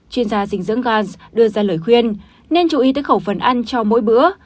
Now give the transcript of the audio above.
chuyên gia dinh dưỡng gantz đưa ra lời khuyên nên chú ý tới khẩu phần ăn cho mỗi bữa